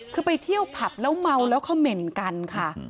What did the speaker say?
คือไปเที่ยวผับแล้วเมาแล้วเขม่นกันค่ะ